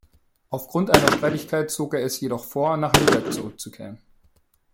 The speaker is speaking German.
Aufgrund einer Streitigkeit zog er es jedoch vor, nach Lübeck zurückzukehren.